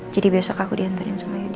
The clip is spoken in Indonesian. jadi besok aku dianturin sama yudi